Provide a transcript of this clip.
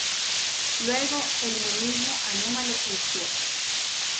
Luego el monismo anómalo es cierto.